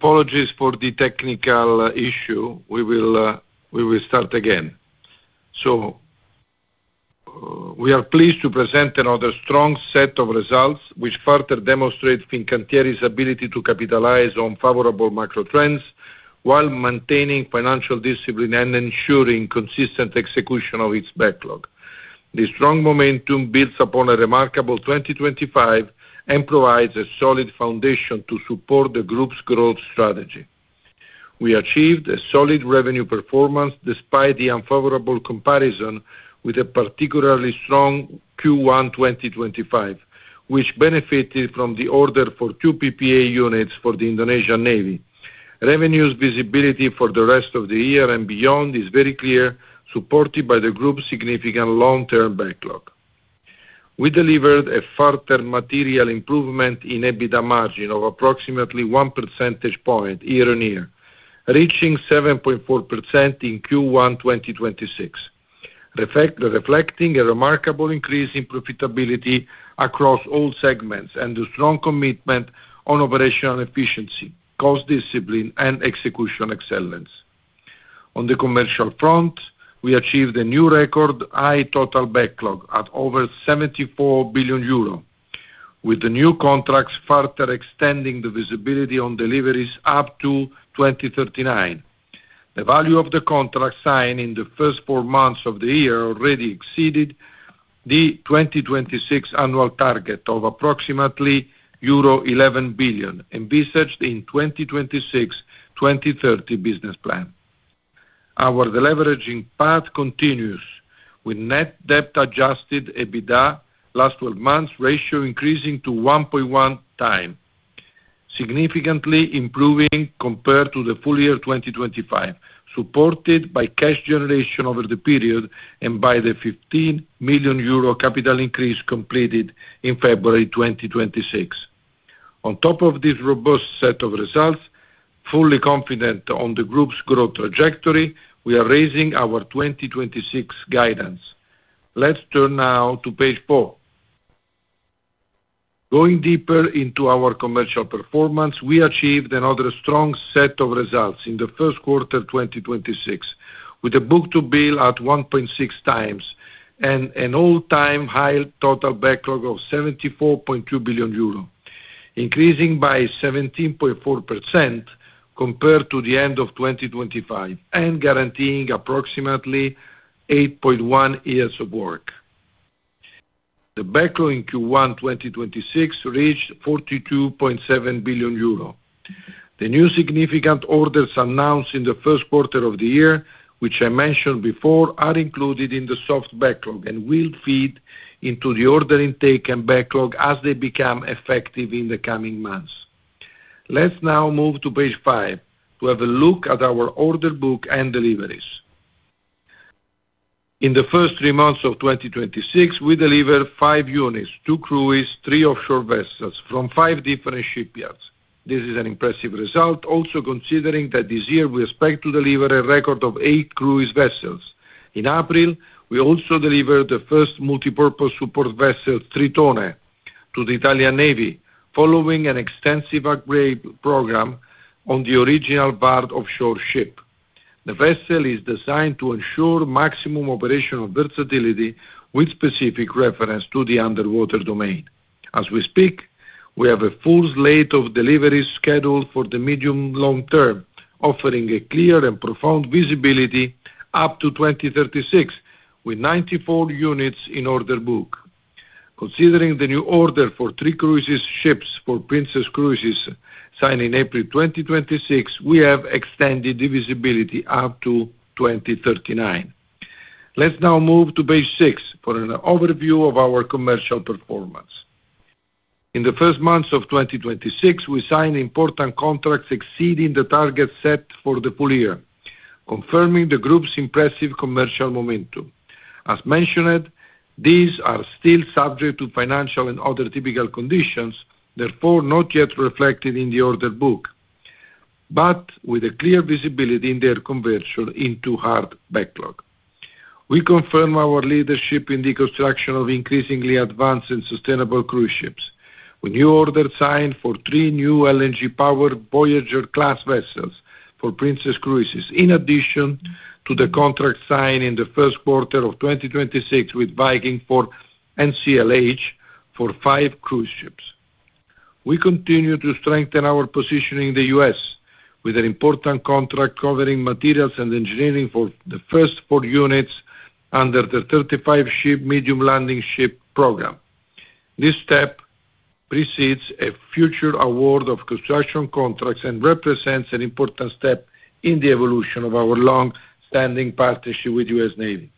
Apologies for the technical issue. We will start again. We are pleased to present another strong set of results which further demonstrate Fincantieri's ability to capitalize on favorable macro trends while maintaining financial discipline and ensuring consistent execution of its backlog. This strong momentum builds upon a remarkable 2025 and provides a solid foundation to support the group's growth strategy. We achieved a solid revenue performance despite the unfavorable comparison with a particularly strong Q1 2025, which benefited from the order for two PPA units for the Indonesian Navy. Revenues visibility for the rest of the year and beyond is very clear, supported by the group's significant long-term backlog. We delivered a further material improvement in EBITDA margin of approximately one percentage point year-on-year, reaching 7.4% in Q1 2026. Reflecting a remarkable increase in profitability across all segments and a strong commitment on operational efficiency, cost discipline, and execution excellence. On the commercial front, we achieved a new record high total backlog at over 74 billion euro, with the new contracts further extending the visibility on deliveries up to 2039. The value of the contract signed in the first four months of the year already exceeded the 2026 annual target of approximately euro 11 billion envisaged in 2026-2030 business plan. Our deleveraging path continues with net debt adjusted EBITDA last 12 months ratio increasing to 1.1x, significantly improving compared to the full year 2025, supported by cash generation over the period and by the 15 million euro capital increase completed in February 2026. On top of this robust set of results, fully confident on the group's growth trajectory, we are raising our 2026 guidance. Let's turn now to page four. Going deeper into our commercial performance, we achieved another strong set of results in the first quarter 2026, with a book-to-bill at 1.6x and an all-time high total backlog of 74.2 billion euro, increasing by 17.4% compared to the end of 2025 and guaranteeing approximately 8.1 years of work. The backlog in Q1 2026 reached 42.7 billion euro. The new significant orders announced in the first quarter of the year, which I mentioned before, are included in the soft backlog and will feed into the order intake and backlog as they become effective in the coming months. Let's now move to page five to have a look at our order book and deliveries. In the first three months of 2026, we delivered five units: two cruise, three offshore vessels from five different shipyards. This is an impressive result also considering that this year we expect to deliver a record of eight cruise vessels. In April, we also delivered the first multipurpose support vessel, Tritone, to the Italian Navy following an extensive upgrade program on the original Vard offshore ship. The vessel is designed to ensure maximum operational versatility with specific reference to the underwater domain. As we speak, we have a full slate of deliveries scheduled for the medium long term, offering a clear and profound visibility up to 2036, with 94 units in order book. Considering the new order for three cruise ships for Princess Cruises signed in April 2026, we have extended the visibility up to 2039. Let's now move to page six for an overview of our commercial performance. In the first months of 2026, we signed important contracts exceeding the target set for the full year, confirming the group's impressive commercial momentum. As mentioned, these are still subject to financial and other typical conditions, therefore not yet reflected in the order book, but with a clear visibility in their conversion into hard backlog. We confirm our leadership in the construction of increasingly advanced and sustainable cruise ships. We new order signed for three new LNG powered Voyager class vessels for Princess Cruises. In addition to the contract signed in the first quarter of 2026 with Viking for NCLH for five cruise ships. We continue to strengthen our position in the U.S. with an important contract covering materials and engineering for the first four units under the 35-ship Medium Landing Ship program. This step precedes a future award of construction contracts and represents an important step in the evolution of our longstanding partnership with U.S. Navy.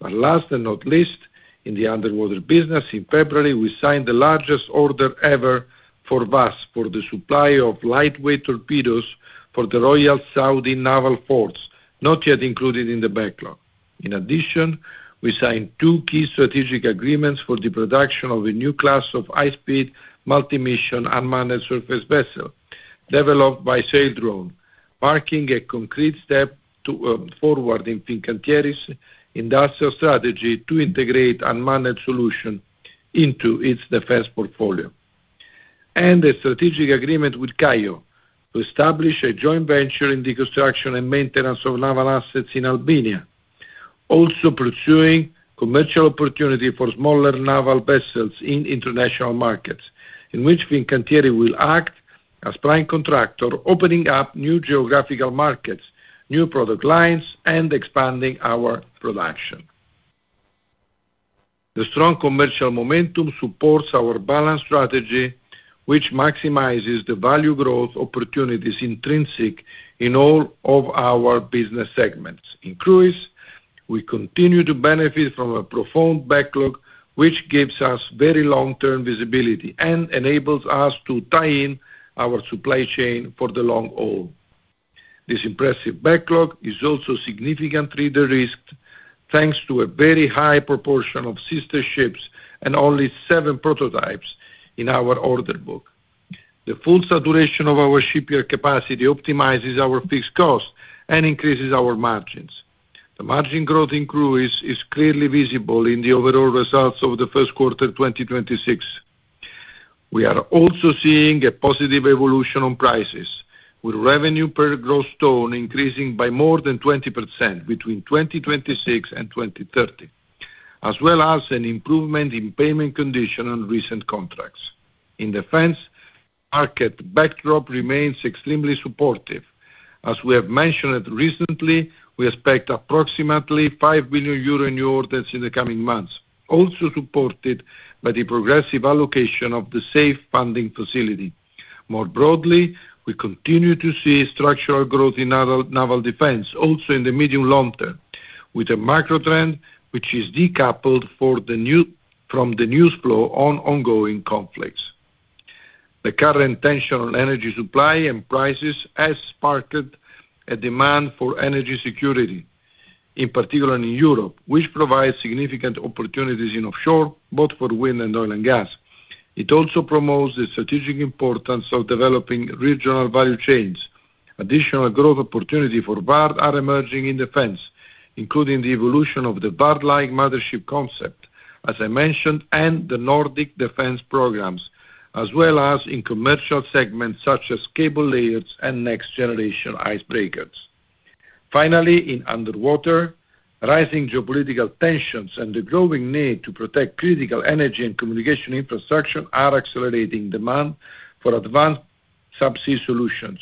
Last and not least, in the underwater business, in February, we signed the largest order ever for WASS, for the supply of lightweight torpedoes for the Royal Saudi Naval Force, not yet included in the backlog. In addition, we signed two key strategic agreements for the production of a new class of high-speed multi-mission unmanned surface vessel developed by Saildrone, marking a concrete step forward in Fincantieri's industrial strategy to integrate unmanned solution into its defense portfolio. A strategic agreement with KAYO to establish a joint venture in the construction and maintenance of naval assets in Albania. Also pursuing commercial opportunity for smaller naval vessels in international markets, in which Fincantieri will act as prime contractor, opening up new geographical markets, new product lines, and expanding our production. The strong commercial momentum supports our balanced strategy, which maximizes the value growth opportunities intrinsic in all of our business segments. In Cruise, we continue to benefit from a profound backlog, which gives us very long-term visibility and enables us to tie in our supply chain for the long haul. This impressive backlog is also significantly de-risked, thanks to a very high proportion of sister ships and only seven prototypes in our order book. The full saturation of our shipyard capacity optimizes our fixed cost and increases our margins. The margin growth in cruise is clearly visible in the overall results of the first quarter 2026. We are also seeing a positive evolution on prices, with revenue per gross ton increasing by more than 20% between 2026 and 2030, as well as an improvement in payment condition on recent contracts. In Defense, market backdrop remains extremely supportive. As we have mentioned recently, we expect approximately 5 billion euro new orders in the coming months, also supported by the progressive allocation of the SAFE funding facility. More broadly, we continue to see structural growth in naval defense, also in the medium long term, with a macro trend which is decoupled from the news flow on ongoing conflicts. The current tension on energy supply and prices has sparked a demand for energy security, in particular in Europe, which provides significant opportunities in offshore, both for wind and oil and gas. It also promotes the strategic importance of developing regional value chains. Additional growth opportunity for Vard are emerging in defense, including the evolution of the VARD-like mothership concept, as I mentioned, and the Nordic defense programs, as well as in commercial segments such as cable layers and next-generation icebreakers. Finally, in underwater, rising geopolitical tensions and the growing need to protect critical energy and communication infrastructure are accelerating demand for advanced subsea solutions,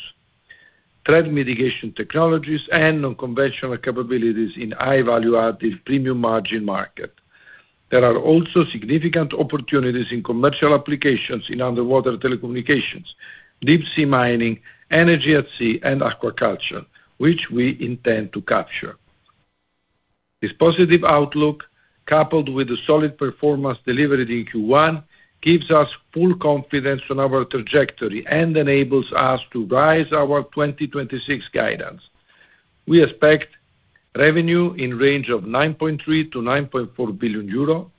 threat mitigation technologies, and unconventional capabilities in high value-added premium margin market. There are also significant opportunities in commercial applications in underwater telecommunications, deep sea mining, energy at sea, and aquaculture, which we intend to capture. This positive outlook, coupled with the solid performance delivered in Q1, gives us full confidence on our trajectory and enables us to raise our 2026 guidance. We expect revenue in range of 9.3 billion-9.4 billion euro,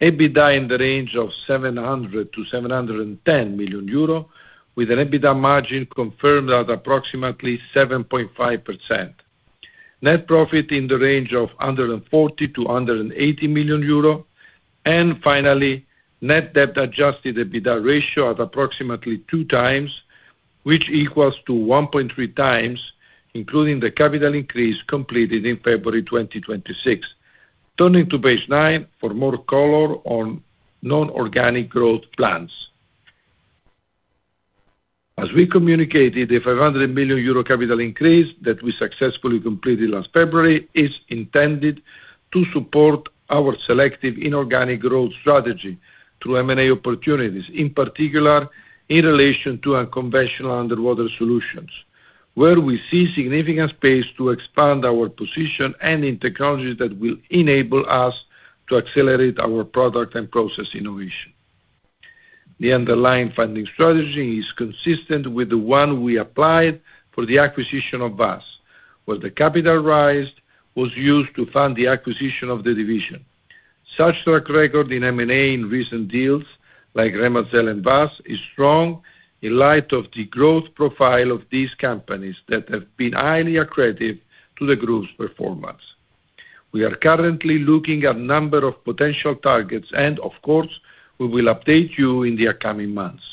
EBITDA in the range of 700 million-710 million euro, with an EBITDA margin confirmed at approximately 7.5%. Net profit in the range of 140 million-180 million euro. Finally, net debt adjusted EBITDA ratio at approximately 2x, which equals to 1.3x, including the capital increase completed in February 2026. Turning to page nine for more color on non-organic growth plans. As we communicated, the 500 million euro capital increase that we successfully completed last February is intended to support our selective inorganic growth strategy through M&A opportunities, in particular in relation to unconventional underwater solutions, where we see significant space to expand our position and in technologies that will enable us to accelerate our product and process innovation. The underlying funding strategy is consistent with the one we applied for the acquisition of WASS, where the capital raised was used to fund the acquisition of the division. Such track record in M&A in recent deals like Remazel and WASS is strong in light of the growth profile of these companies that have been highly accretive to the group's performance. We are currently looking at number of potential targets and of course, we will update you in the coming months.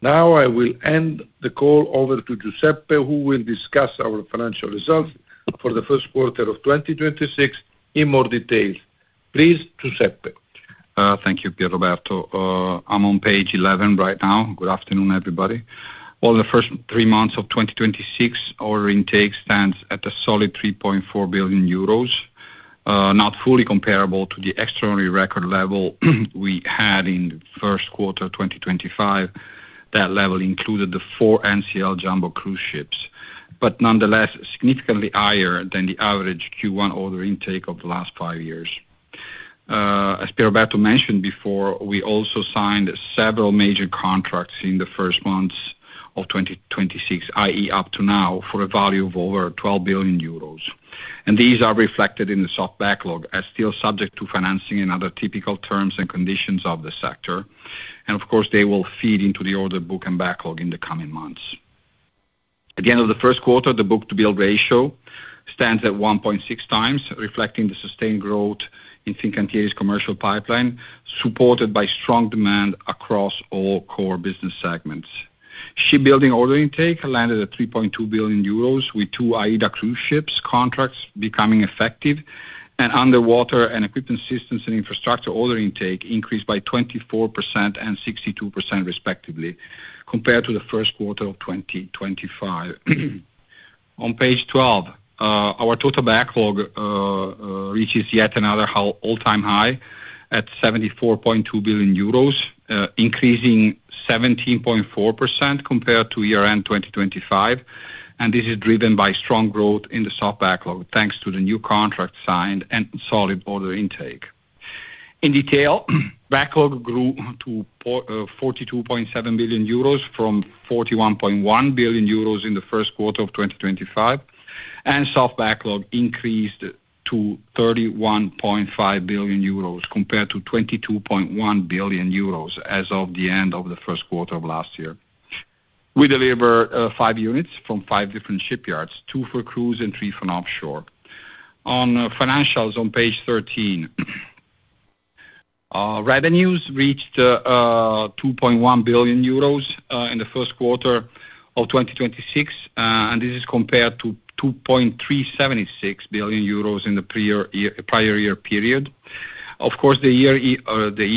Now, I will hand the call over to Giuseppe, who will discuss our financial results for the first quarter of 2026 in more detail. Please, Giuseppe. Thank you, Pierroberto. I'm on page 11 right now. Good afternoon, everybody. The first three months of 2026, order intake stands at a solid 3.4 billion euros, not fully comparable to the extraordinary record level we had in the first quarter 2025. That level included the four NCL jumbo cruise ships, significantly higher than the average Q1 order intake of the last five years. As Pierroberto mentioned before, we also signed several major contracts in the first months of 2026, i.e., up to now, for a value of over 12 billion euros. These are reflected in the soft backlog as still subject to financing and other typical terms and conditions of the sector. Of course, they will feed into the order book and backlog in the coming months. At the end of the first quarter, the book-to-bill ratio stands at 1.6x, reflecting the sustained growth in Fincantieri's commercial pipeline, supported by strong demand across all core business segments. Shipbuilding order intake landed at 3.2 billion euros, with two AIDA cruise ships contracts becoming effective. Underwater and equipment systems and infrastructure order intake increased by 24% and 62% respectively compared to the first quarter of 2025. On page 12, our total backlog reaches yet another all-time high at 74.2 billion euros, increasing 17.4% compared to year-end 2025, and this is driven by strong growth in the soft backlog, thanks to the new contract signed and solid order intake. In detail, backlog grew to 42.7 billion euros from 41.1 billion euros in the first quarter of 2025. Soft backlog increased to 31.5 billion euros compared to 22.1 billion euros as of the end of the first quarter of last year. We deliver five units from five different shipyards, two for cruise and three for offshore. On financials on page 13. Revenues reached 2.1 billion euros in the first quarter of 2026, and this is compared to 2.376 billion euros in the prior year period. Of course, the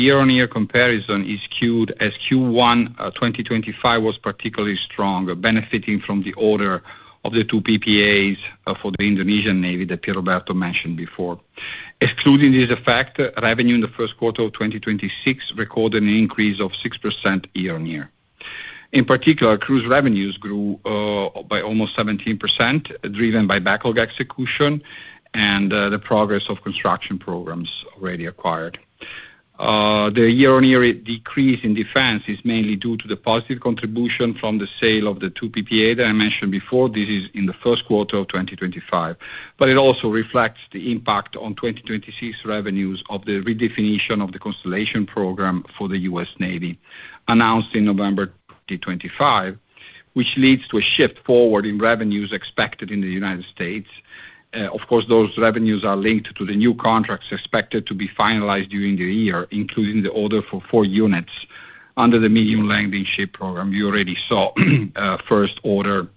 year-on-year comparison is skewed as Q1 2025 was particularly strong, benefiting from the order of the two PPAs for the Indonesian Navy that Pierroberto mentioned before. Excluding this effect, revenue in the first quarter of 2026 recorded an increase of 6% year-on-year. In particular, cruise revenues grew by almost 17%, driven by backlog execution and the progress of construction programs already acquired. The year-on-year decrease in defense is mainly due to the positive contribution from the sale of the two PPA that I mentioned before. This is in the first quarter of 2025. It also reflects the impact on 2026 revenues of the redefinition of the Constellation Program for the U.S. Navy announced in November 2025, which leads to a shift forward in revenues expected in the United States. Of course, those revenues are linked to the new contracts expected to be finalized during the year, including the order for four units under the Medium Landing Ship program. You already saw first order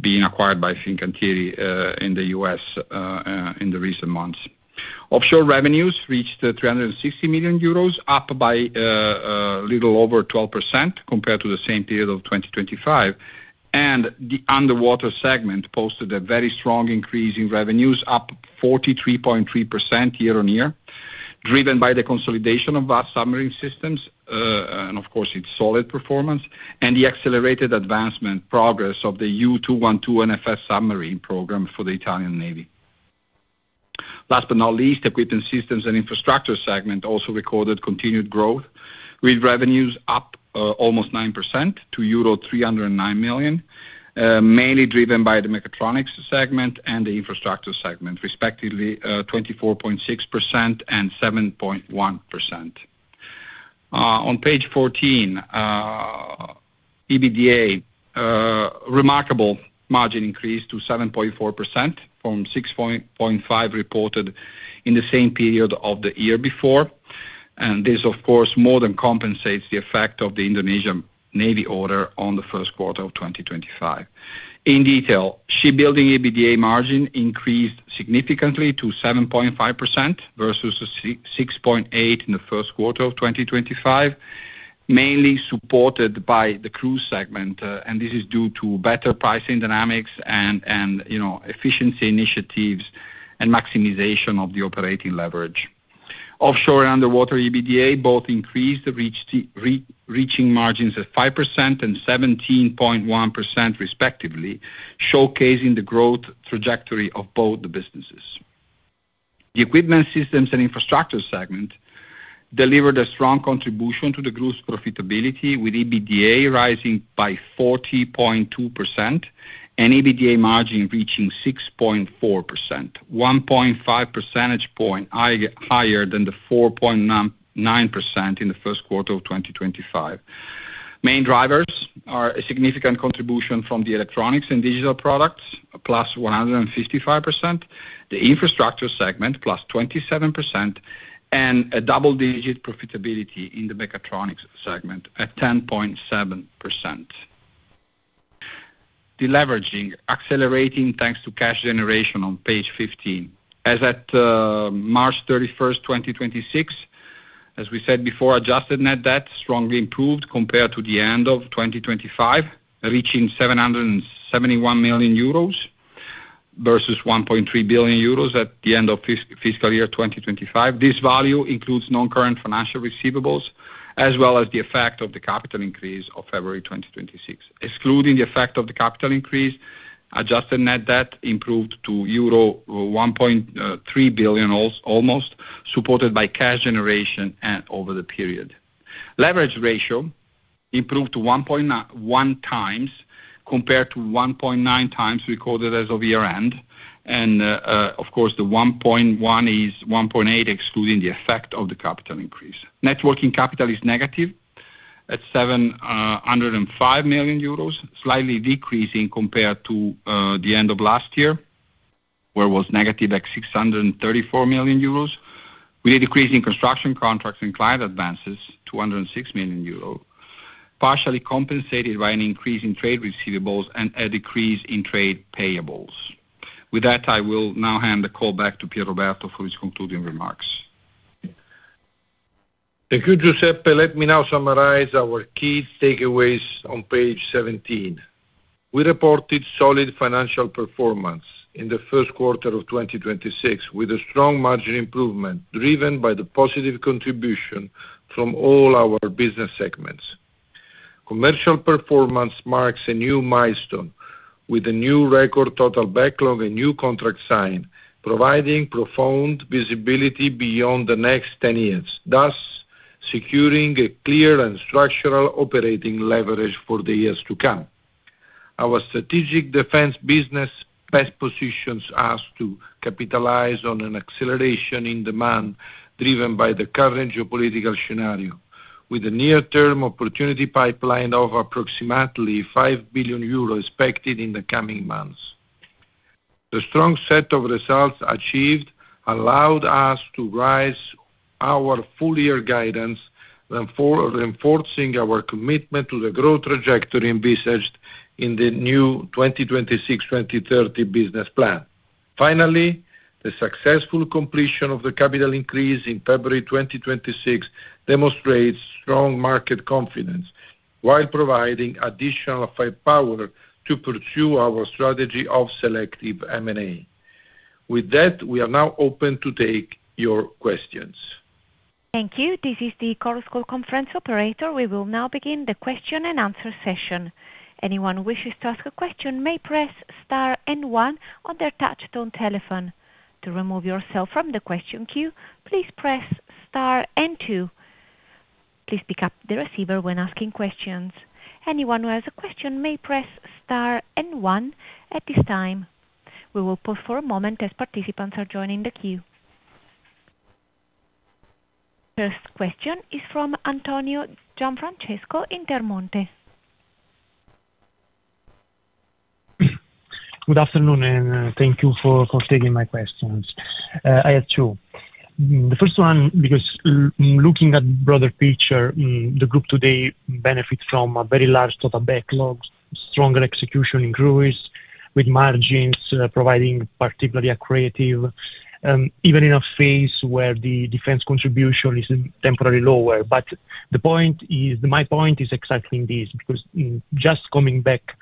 being acquired by Fincantieri in the U.S. in the recent months. Offshore revenues reached 360 million euros, up by little over 12% compared to the same period of 2025. The underwater segment posted a very strong increase in revenues, up 43.3% year-over-year, driven by the consolidation of our submarine systems and of course its solid performance and the accelerated advancement progress of the U212 NFS submarine program for the Italian Navy. Last but not least, equipment systems and infrastructure segment also recorded continued growth, with revenues up almost 9% to euro 309 million, mainly driven by the mechatronics segment and the infrastructure segment, respectively 24.6% and 7.1%. On page 14, EBITDA, remarkable margin increase to 7.4% from 6.5% reported in the same period of the year before. This, of course, more than compensates the effect of the Indonesian Navy order on the first quarter of 2025. In detail, shipbuilding EBITDA margin increased significantly to 7.5% versus 6.8% in the first quarter of 2025, mainly supported by the cruise segment. This is due to better pricing dynamics and, you know, efficiency initiatives and maximization of the operating leverage. Offshore and underwater EBITDA both increased, reaching margins of 5% and 17.1% respectively, showcasing the growth trajectory of both the businesses. The equipment systems and infrastructure segment delivered a strong contribution to the group's profitability, with EBITDA rising by 40.2% and EBITDA margin reaching 6.4%, 1.5 percentage point higher than the 4.9% in the first quarter of 2025. Main drivers are a significant contribution from the electronics and digital products, +155%, the infrastructure segment +27%, and a double-digit profitability in the mechatronics segment at 10.7%. Deleveraging accelerating thanks to cash generation on page 15. As at March 31st, 2026, as we said before, adjusted net debt strongly improved compared to the end of 2025, reaching 771 million euros versus 1.3 billion euros at the end of fiscal year 2025. This value includes non-current financial receivables as well as the effect of the capital increase of February 2026. Excluding the effect of the capital increase, adjusted net debt improved to euro 1.3 billion almost, supported by cash generation over the period. Leverage ratio improved to 1.1x compared to 1.9x recorded as of year-end. Of course, the 1.1x is 1.8x, excluding the effect of the capital increase. Net working capital is negative at 705 million euros, slightly decreasing compared to the end of last year, where it was negative at 634 million euros. With a decrease in construction contracts and client advances, 206 million euros, partially compensated by an increase in trade receivables and a decrease in trade payables. With that, I will now hand the call back to Pierroberto for his concluding remarks. Thank you, Giuseppe. Let me now summarize our key takeaways on page 17. We reported solid financial performance in the first quarter of 2026, with a strong margin improvement driven by the positive contribution from all our business segments. Commercial performance marks a new milestone with a new record total backlog and new contract signed, providing profound visibility beyond the next 10 years, thus securing a clear and structural operating leverage for the years to come. Our strategic defense business best positions us to capitalize on an acceleration in demand driven by the current geopolitical scenario, with a near-term opportunity pipeline of approximately 5 billion euros expected in the coming months. The strong set of results achieved allowed us to raise our full-year guidance, reinforcing our commitment to the growth trajectory envisaged in the new 2026 to 2030 business plan. The successful completion of the capital increase in February 2026 demonstrates strong market confidence while providing additional firepower to pursue our strategy of selective M&A. With that, we are now open to take your questions. Thank you. This is the chorus call conference operator. We will now begin the question-and-answer session. Anyone who wishes to ask a question may press star and one on their touchtone telephone. To remove yourself from the question queue, please press star and two. Please pick up the receiver when asking questions. Anyone who has a question may press star and one at this time. We will pause for a moment as participants are joining the queue. First question is from Antonio Gianfrancesco, Intermonte. Good afternoon, thank you for considering my questions. I have two. The first one, looking at broader picture, the group today benefits from a very large total backlogs, stronger execution in cruise, with margins providing particularly accretive, even in a phase where the defense contribution is temporarily lower. My point is exactly this, just coming back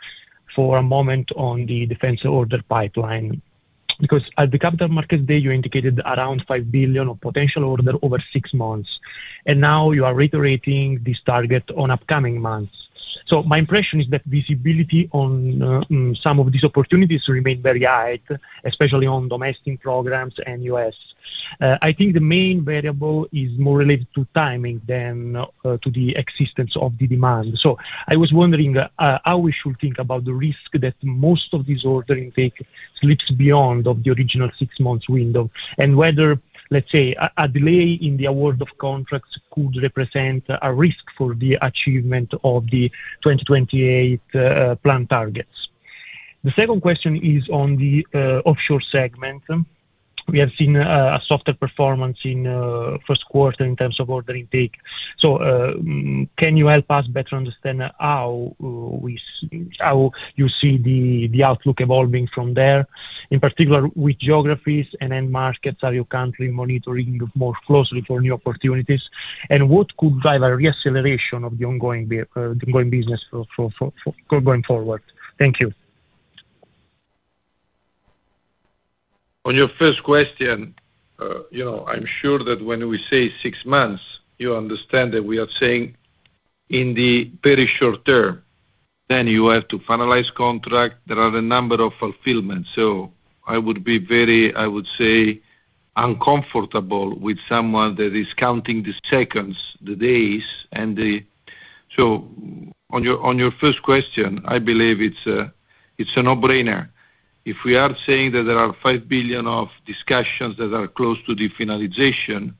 for a moment on the defense order pipeline, at the Capital Markets Day, you indicated around 5 billion of potential order over six months, now you are reiterating this target on upcoming months. My impression is that visibility on some of these opportunities remain very high, especially on domestic programs and U.S. I think the main variable is more related to timing than to the existence of the demand. I was wondering how we should think about the risk that most of this order intake slips beyond of the original six months window and whether a delay in the award of contracts could represent a risk for the achievement of the 2028 plan targets. The second question is on the offshore segment. We have seen a softer performance in 1first quarter in terms of order intake. Can you help us better understand how you see the outlook evolving from there? In particular, which geographies and end markets are you currently monitoring more closely for new opportunities? What could drive a re-acceleration of the ongoing business going forward? Thank you. On your first question, you know, I am sure that when we say six months, you understand that we are saying in the very short term. You have to finalize contract. There are a number of fulfillments. I would be very, I would say, uncomfortable with someone that is counting the seconds, the days. On your first question, I believe it is a no-brainer. If we are saying that there are 5 billion of discussions that are close to the finalization,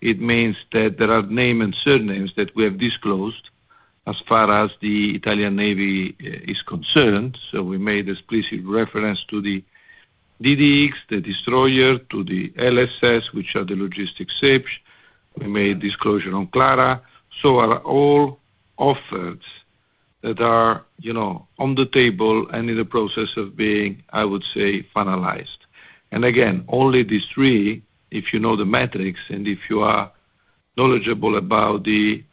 it means that there are name and surnames that we have disclosed as far as the Italian Navy is concerned. We made explicit reference to the DDX, the Destroyer, to the LSS, which are the logistic ships. We made disclosure on Clara. Are all offers that are, you know, on the table and in the process of being, I would say, finalized. Again, only these three, if you know the metrics and if you are knowledgeable about the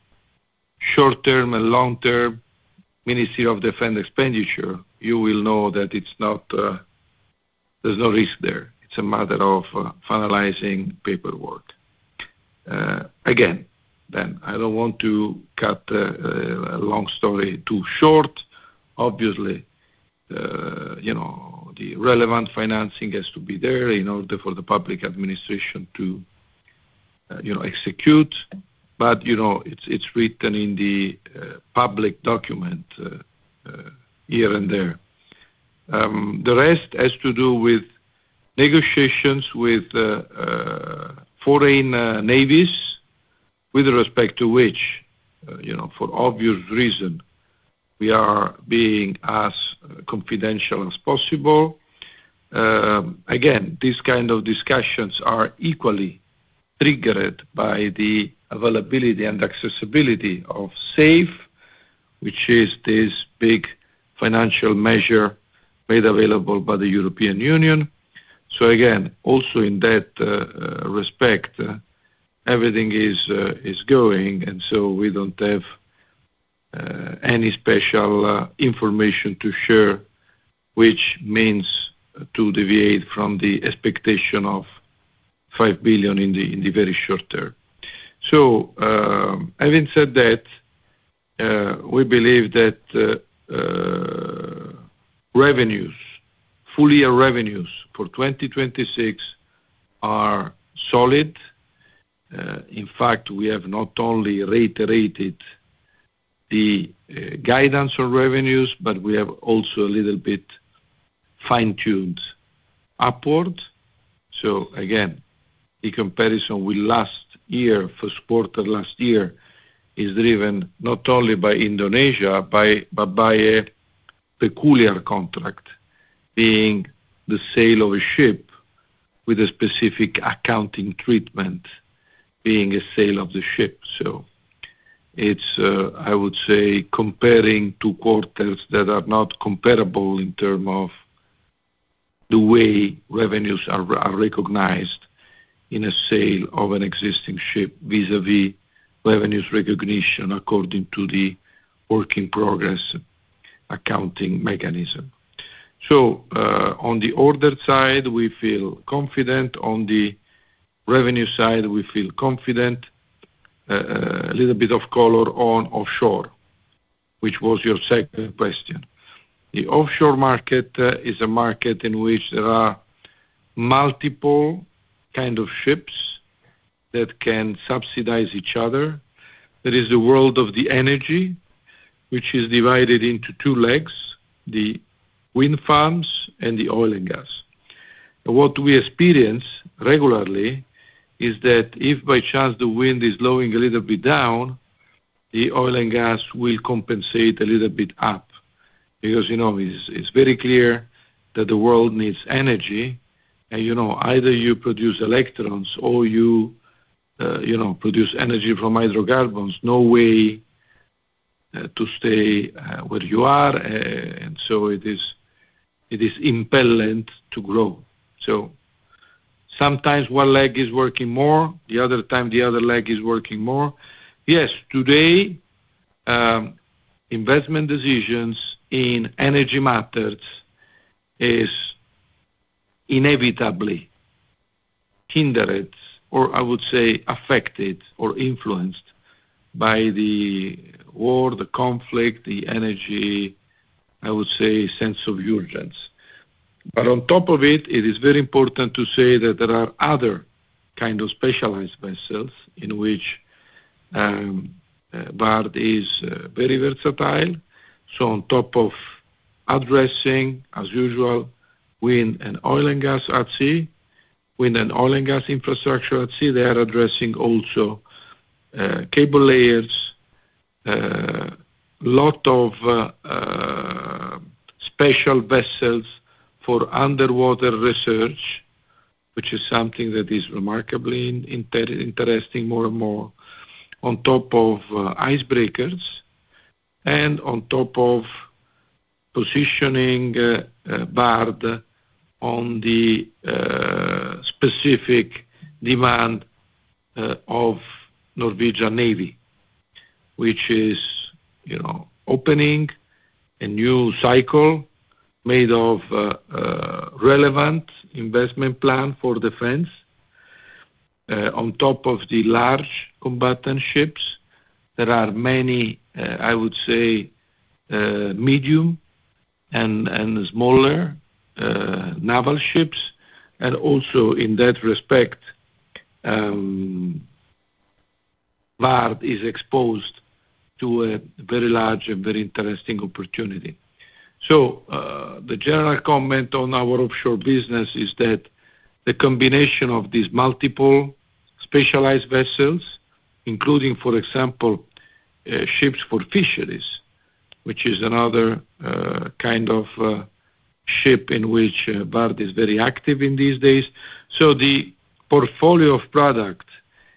short-term and long-term Ministry of Defense expenditure, you will know that it's not, there's no risk there. It's a matter of finalizing paperwork. Again, Ben, I don't want to cut a long story too short. Obviously, you know, the relevant financing has to be there in order for the public administration to, you know, execute. You know, it's written in the public document, Here and there. The rest has to do with negotiations with foreign navies with respect to which, you know, for obvious reason, we are being as confidential as possible. Again, these kind of discussions are equally triggered by the availability and accessibility of SAFE, which is this big financial measure made available by the European Union. Again, also in that respect, everything is going and we don't have any special information to share, which means to deviate from the expectation of 5 billion in the very short term. Having said that, we believe that revenues, full year revenues for 2026 are solid. In fact, we have not only reiterated the guidance on revenues, but we have also a little bit fine-tuned upward. Again, the comparison with last year, first quarter last year is driven not only by Indonesia, but by a peculiar contract, being the sale of a ship with a specific accounting treatment, being a sale of the ship. It's, I would say comparing two quarters that are not comparable in term of the way revenues are recognized in a sale of an existing ship vis-a-vis revenues recognition according to the work in progress accounting mechanism. On the order side, we feel confident. On the revenue side, we feel confident. A little bit of color on offshore, which was your second question. The offshore market is a market in which there are multiple kind of ships that can subsidize each other. That is the world of the energy, which is divided into two legs, the wind farms and the oil and gas. What we experience regularly is that if by chance the wind is slowing a little bit down, the oil and gas will compensate a little bit up. You know, it's very clear that the world needs energy and, you know, either you produce electrons or you know, produce energy from hydrocarbons. No way to stay where you are. It is impellent to grow. Sometimes one leg is working more, the other time the other leg is working more. Yes, today, investment decisions in energy matters is inevitably hindered or I would say affected or influenced by the war, the conflict, the energy, I would say sense of urgency. It is very important to say that there are other kind of specialized vessels in which Vard is very versatile. On top of addressing as usual wind and oil and gas at sea, wind and oil and gas infrastructure at sea, they are addressing also, cable layers. Lot of special vessels for underwater research, which is something that is remarkably interesting more and more on top of icebreakers and on top of positioning Vard on the specific demand of Norwegian Navy, which is, you know, opening a new cycle made of relevant investment plan for defense. On top of the large combatant ships, there are many, I would say, medium and smaller naval ships. Also in that respect, Vard is exposed to a very large and very interesting opportunity. The general comment on our offshore business is that the combination of these multiple specialized vessels, including, for example, ships for fisheries, which is another kind of ship in which Vard is very active in these days. The portfolio of product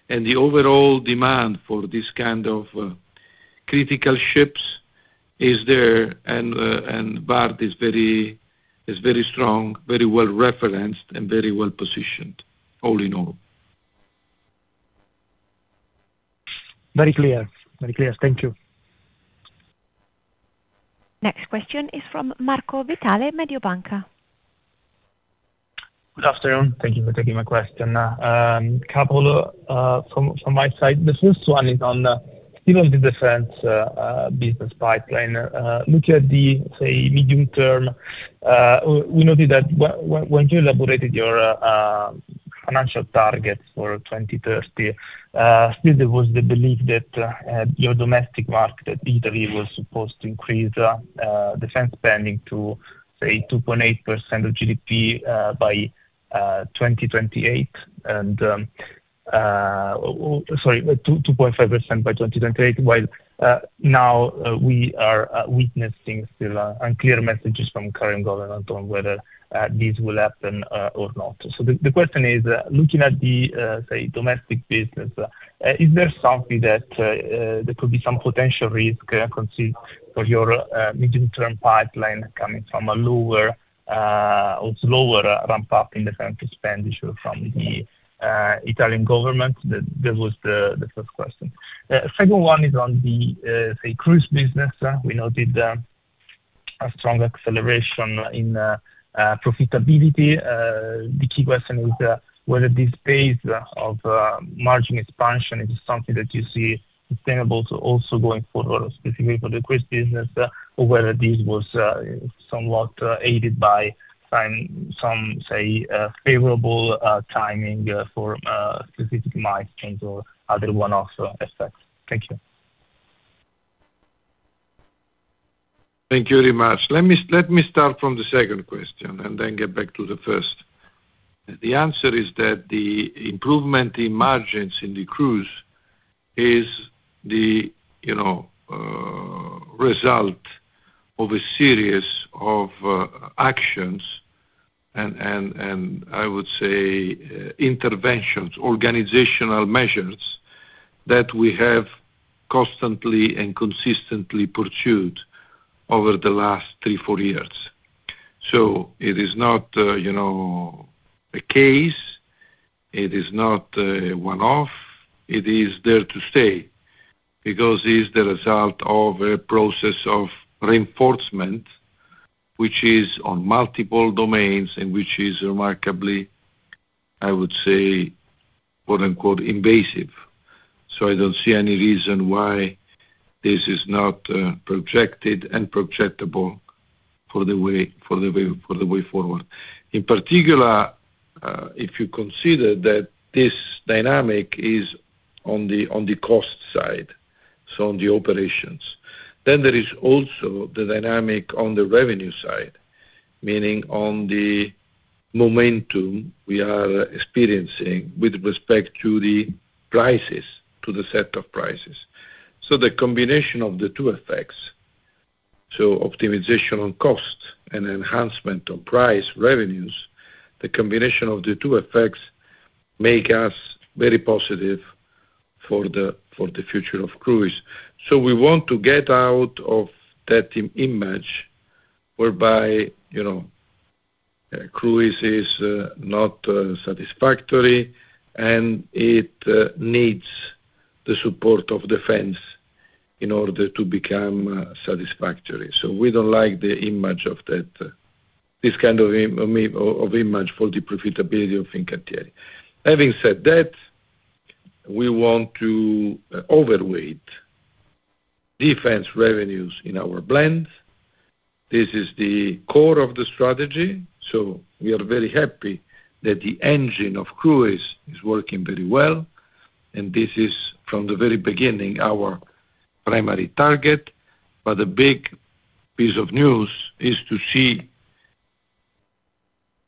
and the overall demand for this kind of critical ships is there and Vard is very strong, very well-referenced and very well-positioned all in all. Very clear. Very clear. Thank you. Next question is from Marco Vitale, Mediobanca. Good afternoon. Thank you for taking my question. Couple from my side. The first one is on still on the defense business pipeline. Looking at the, say, medium term, we noted that when you elaborated your financial targets for 2030, still there was the belief that your domestic market, that Italy, was supposed to increase defense spending to, say, 2.8% of GDP by 2028 and, sorry, 2.5% by 2028, while now we are witnessing still unclear messages from current government on whether this will happen or not. The question is, looking at the, say, domestic business, is there something that there could be some potential risk conceived for your mid-term pipeline coming from a lower or slower ramp-up in defense expenditure from the Italian government? That was the first question. Second one is on the, say, cruise business. We noted a strong acceleration in profitability. The key question is whether this phase of margin expansion is something that you see sustainable to also going forward, specifically for the cruise business, or whether this was somewhat aided by finding some, say, favorable timing for specific mix change or other one-off effects. Thank you. Thank you very much. Let me start from the second question and get back to the first. The answer is that the improvement in margins in the cruise is the, you know, result of a series of actions and interventions, organizational measures that we have constantly and consistently pursued over the last three, four years. It is not, you know, a case, it is not a one-off, it is there to stay, because it's the result of a process of reinforcement, which is on multiple domains and which is remarkably, I would say, quote, unquote, "invasive." I don't see any reason why this is not projected and projectable for the way forward. In particular, if you consider that this dynamic is on the, on the cost side, so on the operations. There is also the dynamic on the revenue side, meaning on the momentum we are experiencing with respect to the prices, to the set of prices. The combination of the two effects, so optimization on cost and enhancement on price revenues, the combination of the two effects make us very positive for the, for the future of cruise. We want to get out of that image whereby, you know, cruise is not satisfactory and it needs the support of defense in order to become satisfactory. We don't like the image of that, this kind of image for the profitability of Fincantieri. Having said that, we want to overweight defense revenues in our blend. This is the core of the strategy, so we are very happy that the engine of cruise is working very well, and this is from the very beginning our primary target. The big piece of news is to see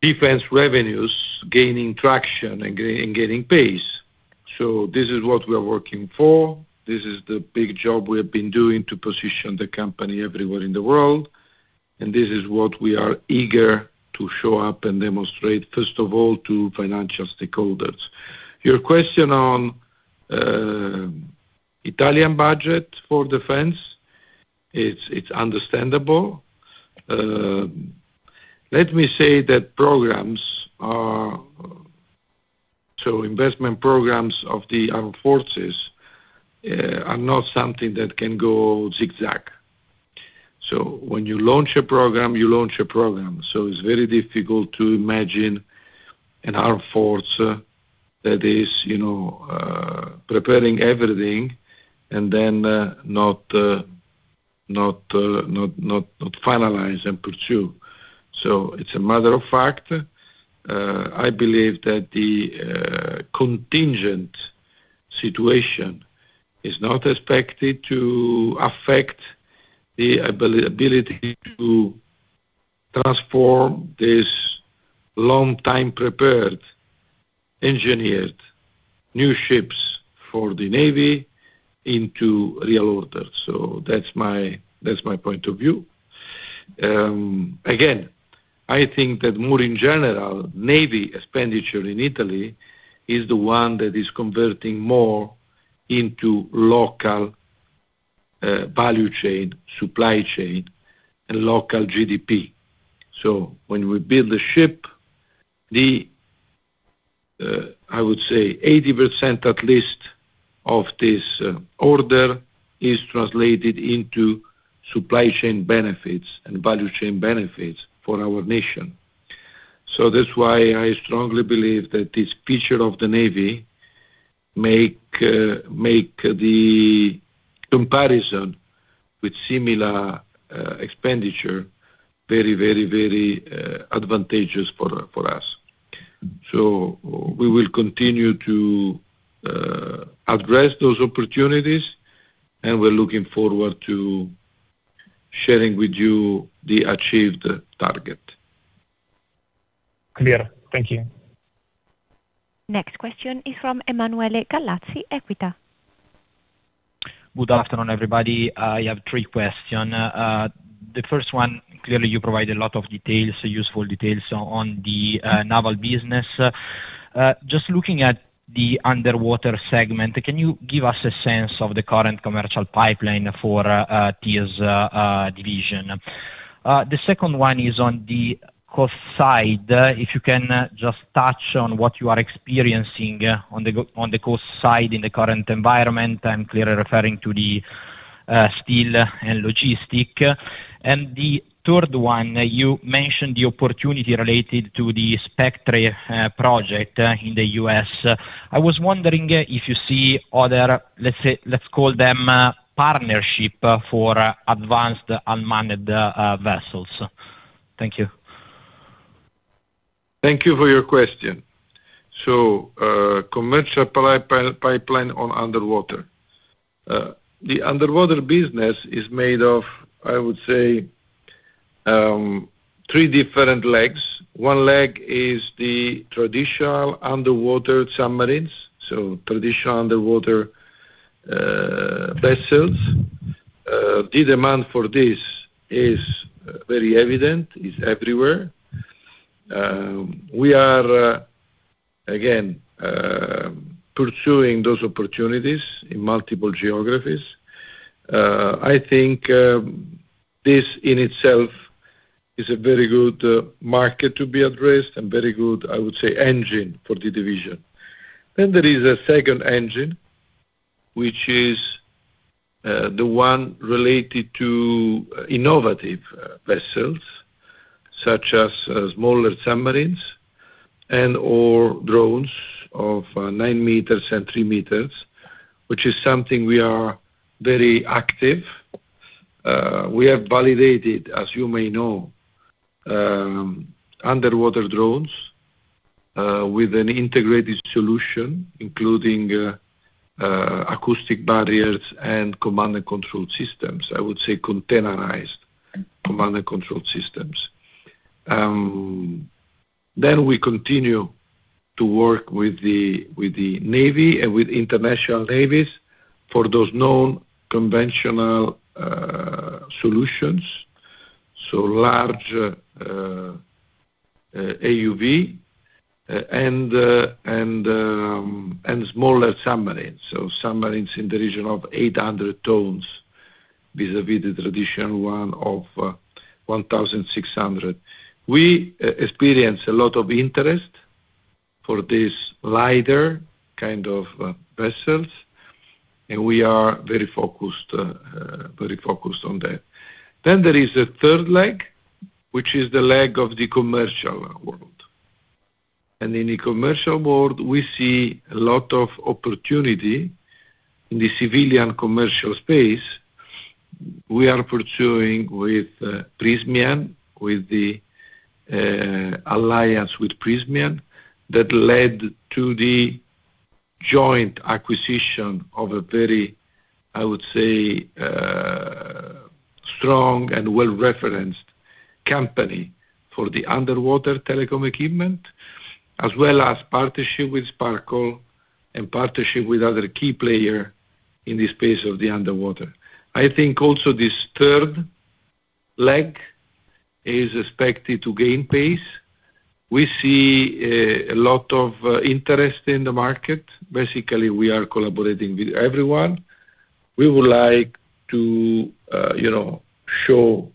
defense revenues gaining traction and gaining pace. This is what we are working for. This is the big job we have been doing to position the company everywhere in the world, and this is what we are eager to show up and demonstrate, first of all, to financial stakeholders. Your question on Italian budget for defense, it's understandable. Let me say that investment programs of the armed forces are not something that can go zigzag. When you launch a program, you launch a program, it's very difficult to imagine an armed force that is, you know, preparing everything and then not finalized and pursue. It's a matter of fact. I believe that the contingent situation is not expected to affect the ability to transform this long time prepared, engineered new ships for the Navy into real orders. That's my point of view. Again, I think that more in general, Navy expenditure in Italy is the one that is converting more into local value chain, supply chain, and local GDP. When we build the ship, the, I would say 80% at least of this order is translated into supply chain benefits and value chain benefits for our nation. That's why I strongly believe that this feature of the Navy make the comparison with similar expenditure very, very, very advantageous for us. We will continue to address those opportunities, and we're looking forward to sharing with you the achieved target. Clear. Thank you. Next question is from Emanuele Gallazzi, Equita. Good afternoon, everybody. I have three questions. The first one, clearly you provide a lot of details, useful details on the naval business. Just looking at the underwater segment, can you give us a sense of the current commercial pipeline for this division? The second one is on the cost side. If you can just touch on what you are experiencing on the cost side in the current environment. I'm clearly referring to the steel and logistics. The third one, you mentioned the opportunity related to the Spectre project in the U.S. I was wondering if you see other, let's say, let's call them, partnerships for advanced unmanned vessels. Thank you. Thank you for your question. Commercial pipeline on underwater. The underwater business is made of, I would say, three different legs. One leg is the traditional underwater submarines, so traditional underwater vessels. The demand for this is very evident, is everywhere. We are again pursuing those opportunities in multiple geographies. I think this in itself is a very good market to be addressed and very good, I would say, engine for the division. There is a second engine, which is the one related to innovative vessels, such as smaller submarines and/or drones of 9 m and 3 m, which is something we are very active. We have validated, as you may know, underwater drones with an integrated solution, including acoustic barriers and command and control systems. I would say containerized command and control systems. We continue to work with the, with the navy and with international navies for those non-conventional solutions, so large AUV and smaller submarines. Submarines in the region of 800 tons vis-a-vis the traditional one of 1,600. We experience a lot of interest for this lighter kind of vessels, and we are very focused on that. There is a third leg, which is the leg of the commercial world. In the commercial world, we see a lot of opportunity in the civilian commercial space. We are pursuing with Prysmian, with the alliance with Prysmian that led to the joint acquisition of a very, I would say, strong and well-referenced company for the underwater telecom equipment, as well as partnership with Sparkle and partnership with other key player in the space of the underwater. I think also this third leg is expected to gain pace. We see a lot of interest in the market. Basically, we are collaborating with everyone. We would like to, you know, show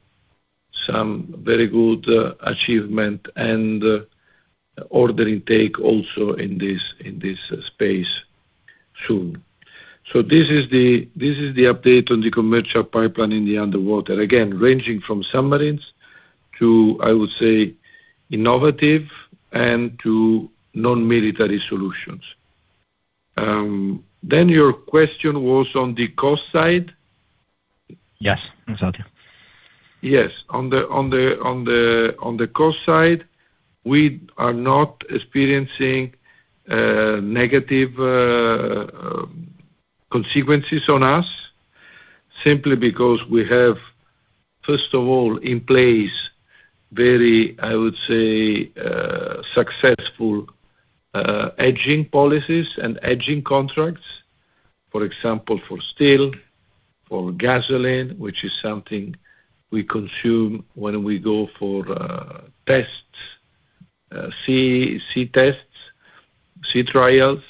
some very good achievement and ordering take also in this space soon. This is the update on the commercial pipeline in the underwater. Again, ranging from submarines to, I would say, innovative and to non-military solutions. Your question was on the cost side? Yes, exactly. Yes. On the cost side, we are not experiencing negative consequences on us, simply because we have, first of all, in place very, I would say, successful hedging policies and hedging contracts. For example, for steel, for gasoline, which is something we consume when we go for tests, sea trials.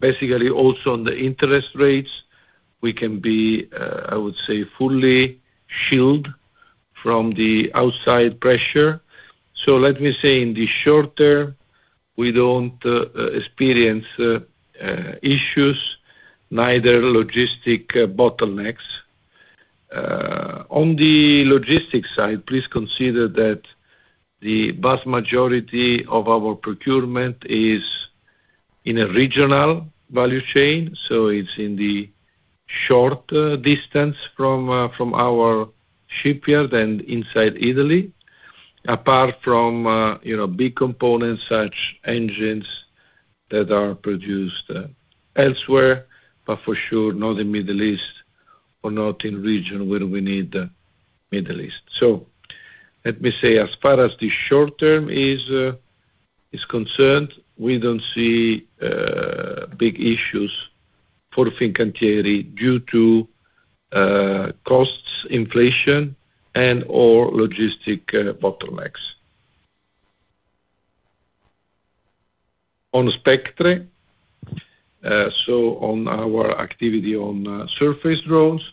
Basically also on the interest rates, we can be, I would say, fully shield from the outside pressure. Let me say in the short term, we don't experience issues, neither logistic bottlenecks. On the logistics side, please consider that the vast majority of our procurement is in a regional value chain, so it's in the short distance from our shipyard and inside Italy, apart from, you know, big components such engines that are produced elsewhere, but for sure not in Middle East or not in region where we need the Middle East. Let me say, as far as the short term is concerned, we don't see big issues for Fincantieri due to costs inflation and/or logistic bottlenecks. On Spectre, so on our activity on surface drones,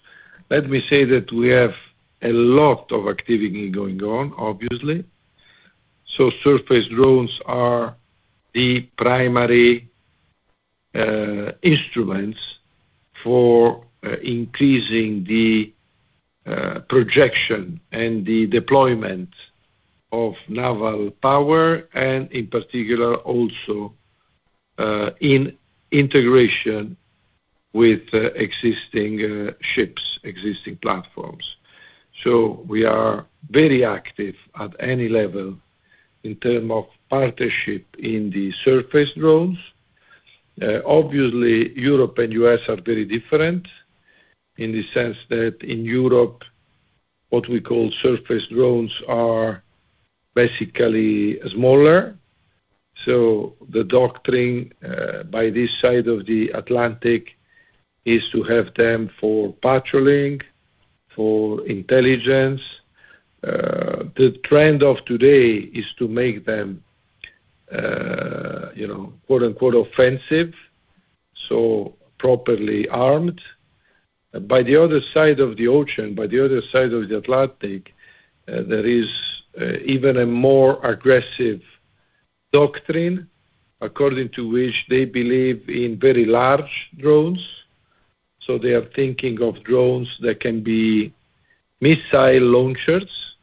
let me say that we have a lot of activity going on, obviously. Surface drones are the primary instruments for increasing the projection and the deployment of naval power and in particular also in integration with existing ships, existing platforms. We are very active at any level in term of partnership in the surface drones. Obviously, Europe and U.S. are very different in the sense that in Europe, what we call surface drones are basically smaller. The doctrine by this side of the Atlantic is to have them for patrolling, for intelligence. The trend of today is to make them, you know, quote-unquote, offensive, so properly armed. By the other side of the ocean, by the other side of the Atlantic, there is even a more aggressive doctrine according to which they believe in very large drones. They are thinking of drones that can be missile launchers.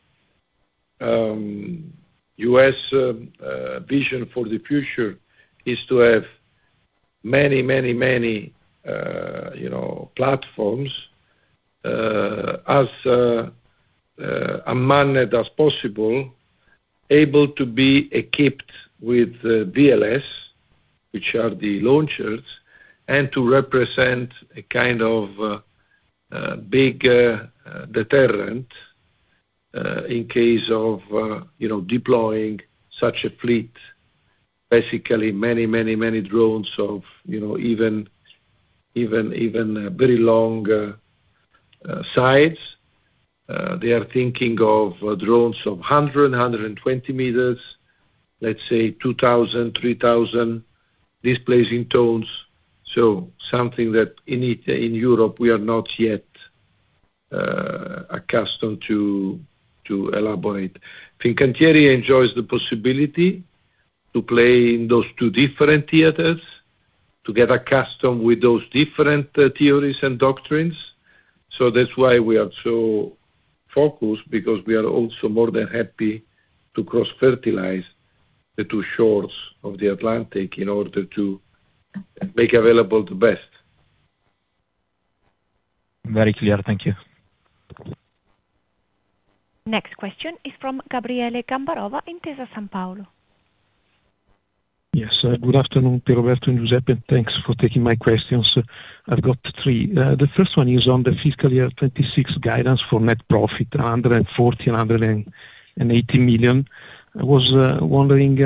U.S. vision for the future is to have many, many, many, you know, platforms, as unmanned as possible, able to be equipped with VLS, which are the launchers, and to represent a kind of big deterrent, in case of, you know, deploying such a fleet, basically many, many, many drones of, you know, even, even very long sides. They are thinking of drones of 100 m and 120 m, let's say 2,000, 3,000 displacing tons. Something that in Europe we are not yet accustomed to elaborate. Fincantieri enjoys the possibility to play in those two different theaters, to get accustomed with those different theories and doctrines. That's why we are so focused because we are also more than happy to cross-fertilize the two shores of the Atlantic in order to make available the best. Very clear. Thank you. Next question is from Gabriele Gambarova, Intesa Sanpaolo. Yes, good afternoon, Pierroberto and Giuseppe. Thanks for taking my questions. I've got three. The first one is on the fiscal year 2026 guidance for net profit, 140 million-180 million. I was wondering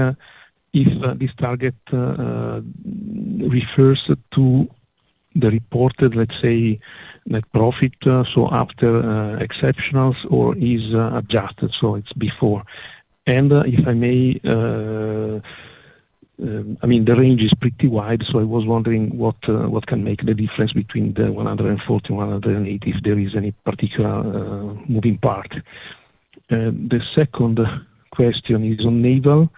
if this target refers to the reported, let's say, net profit, so after exceptionals or is adjusted, so it's before? If I may, I mean, the range is pretty wide, so I was wondering what can make the difference between the 140 million-180 million, if there is any particular moving part. The second question is on naval.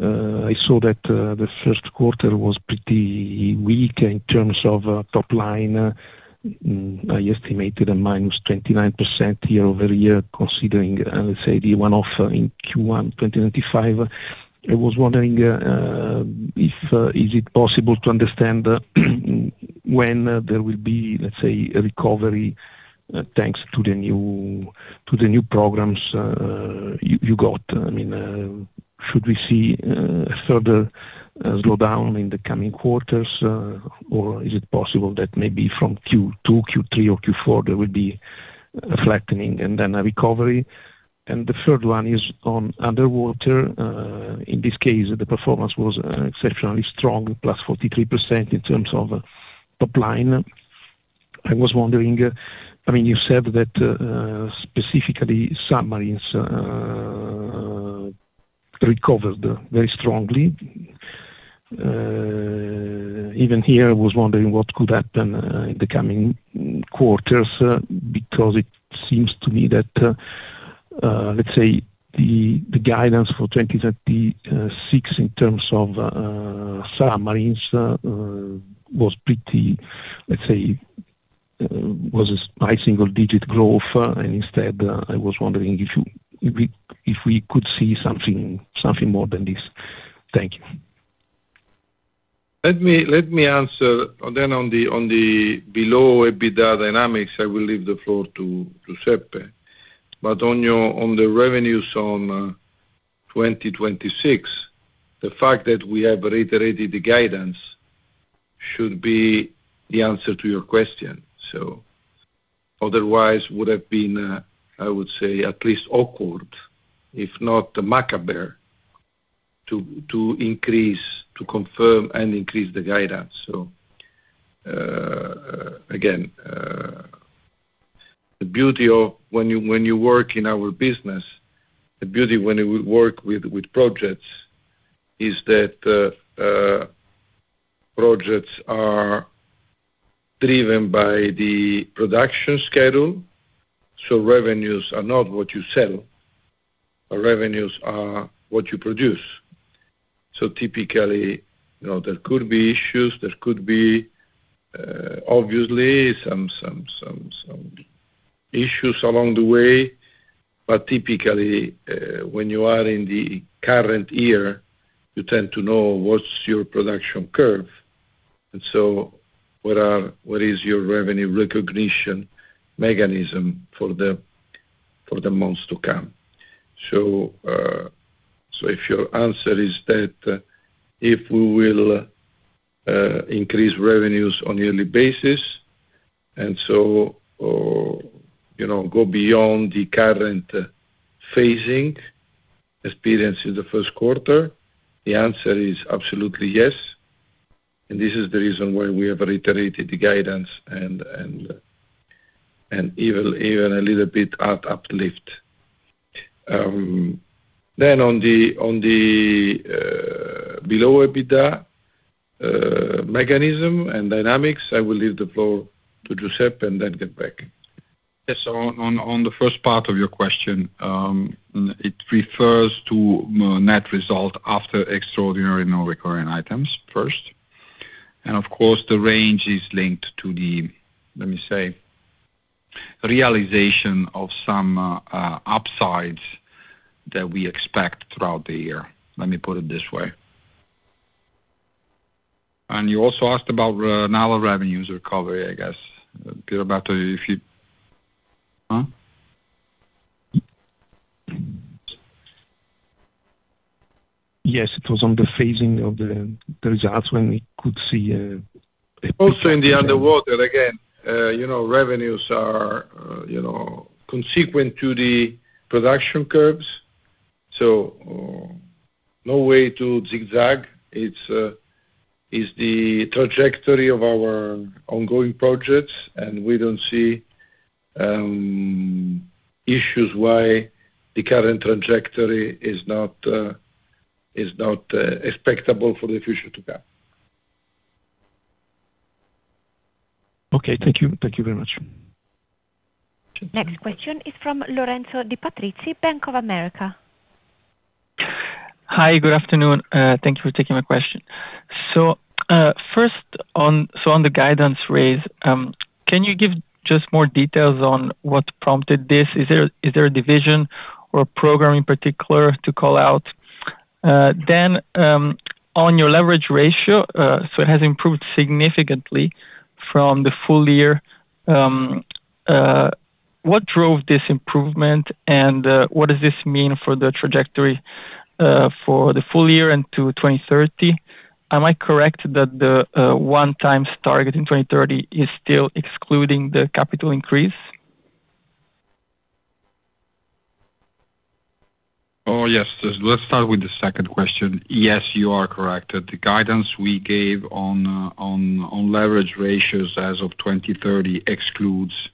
I saw that the first quarter was pretty weak in terms of top line. I estimated a -29% year-over-year considering, let's say, the one-off in Q1 2095. I was wondering if it is possible to understand when there will be, let's say, a recovery thanks to the new programs you got? I mean, should we see a further slowdown in the coming quarters, or is it possible that maybe from Q2, Q3 or Q4 there will be a flattening and then a recovery? The third one is on underwater. In this case, the performance was exceptionally strong, +43% in terms of top line. I was wondering, I mean, you said that specifically submarines recovered very strongly. Even here, I was wondering what could happen in the coming quarters, because it seems to me that, let's say the guidance for 2036 in terms of submarines, was pretty, let's say, was a high single-digit growth. Instead, I was wondering if you, if we could see something more than this. Thank you. Let me answer on the below EBITDA dynamics, I will leave the floor to Giuseppe. On your, on the revenues on 2026, the fact that we have reiterated the guidance should be the answer to your question. Otherwise would have been, I would say at least awkward, if not macabre, to increase, to confirm and increase the guidance. Again, the beauty of when you work in our business, the beauty when you work with projects is that projects are driven by the production schedule, so revenues are not what you sell, but revenues are what you produce. Typically, you know, there could be issues, there could be, obviously some issues along the way. Typically, when you are in the current year, you tend to know what is your production curve, and so what is your revenue recognition mechanism for the months to come. If your answer is that if we will increase revenues on yearly basis or, you know, go beyond the current phasing experienced in the first quarter, the answer is absolutely yes. This is the reason why we have reiterated the guidance and even a little bit uplift. On the below EBITDA mechanism and dynamics, I will leave the floor to Giuseppe and get back. Yes. On the first part of your question, it refers to net result after extraordinary non-recurring items first. Of course, the range is linked to the, let me say, realization of some upsides that we expect throughout the year. Let me put it this way. You also asked about naval revenues recovery, I guess. Pierroberto, if you Huh? Yes, it was on the phasing of the results when we could see. Also in the underwater, again, you know, revenues are, you know, consequent to the production curves. No way to zigzag. It's the trajectory of our ongoing projects. We don't see issues why the current trajectory is not expectable for the future to come. Okay. Thank you. Thank you very much. Next question is from Lorenzo Di Patrizi, Bank of America. Hi, good afternoon. Thank you for taking my question. First on the guidance raise, can you give just more details on what prompted this? Is there a division or program in particular to call out? Then on your leverage ratio, it has improved significantly from the full year. What drove this improvement, and what does this mean for the trajectory for the full year and to 2030? Am I correct that the one time target in 2030 is still excluding the capital increase? Yes. Let's start with the second question. Yes, you are correct. The guidance we gave on leverage ratios as of 2030 excludes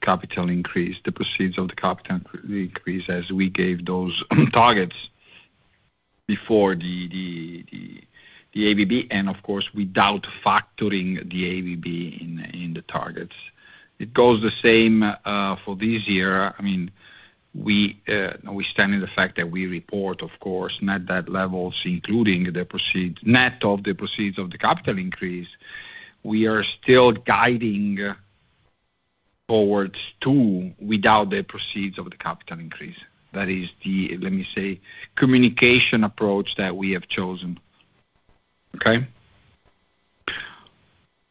capital increase. The proceeds of the capital increase as we gave those targets before the ABB, and of course, without factoring the ABB in the targets. It goes the same for this year. I mean, we stand in the fact that we report, of course, net debt levels, including the proceeds, net of the proceeds of the capital increase. We are still guiding towards two without the proceeds of the capital increase. That is the, let me say, communication approach that we have chosen. Okay.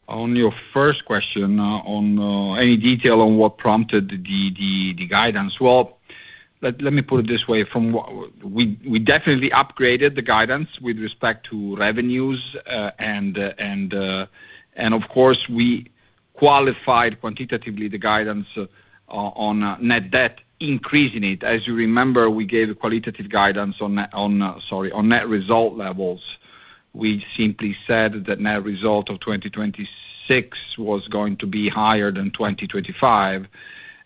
On your first question on any detail on what prompted the guidance. Well, let me put it this way. From what we definitely upgraded the guidance with respect to revenues, and of course, we qualified quantitatively the guidance on net debt, increasing it. As you remember, we gave qualitative guidance on net result levels. We simply said that net result of 2026 was going to be higher than 2025.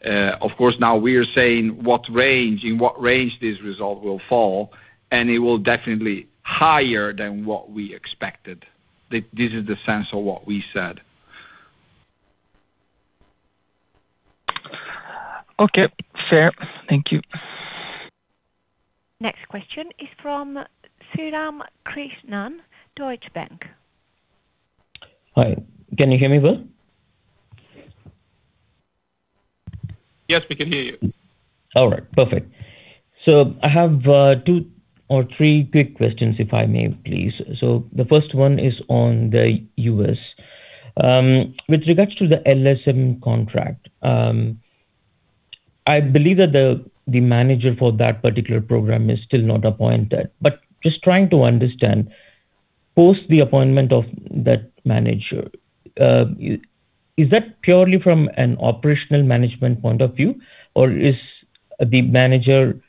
Of course, now we are saying what range, in what range this result will fall, and it will definitely higher than what we expected. This is the sense of what we said. Okay, fair. Thank you. Next question is from Sriram Krishnan, Deutsche Bank. Hi. Can you hear me well? Yes, we can hear you. All right. Perfect. I have two or three quick questions, if I may, please. The first one is on the U.S. With regards to the LSM contract, I believe that the manager for that particular program is still not appointed. Just trying to understand, post the appointment of that manager, is that purely from an operational management point of view, or is the manager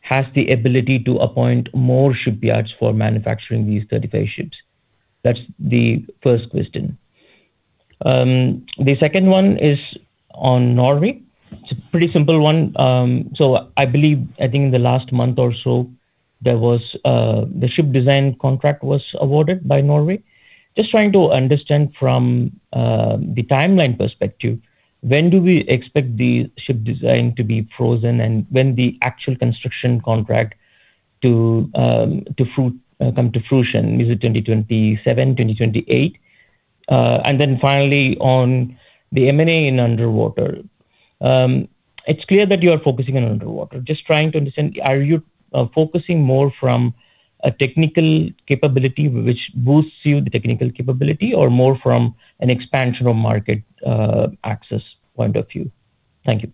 has the ability to appoint more shipyards for manufacturing these 35 ships? That's the first question. The second one is on Norway. It's a pretty simple one. I believe, I think in the last month or so, there was the ship design contract was awarded by Norway. Just trying to understand from the timeline perspective, when do we expect the ship design to be frozen and when the actual construction contract to come to fruition? Is it 2027 and 2028? Finally on the M&A in underwater. It's clear that you are focusing on underwater. Just trying to understand, are you focusing more from a technical capability which boosts you the technical capability or more from an expansion of market access point of view? Thank you.